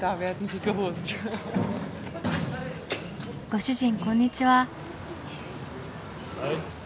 ご主人こんにちは。